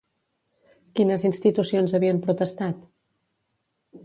Quines institucions havien protestat?